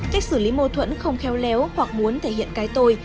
cách xử lý mâu thuẫn không khéo léo hoặc muốn thể hiện cái tôi